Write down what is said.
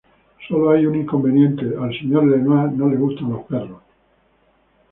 Solo hay un inconveniente, al señor Lenoir no le gustan los perros.